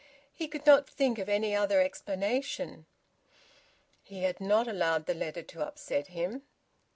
He could not think of any other explanation. He had not allowed the letter to upset him.